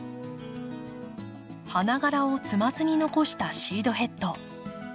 花がらを摘まずに残したシードヘッド。